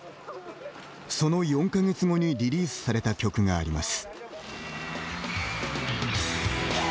その４か月後にリリースされた曲があります。